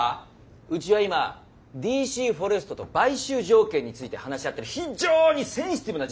うちは今ＤＣフォレストと買収条件について話し合っている非常にセンシティブな時期なんだよ。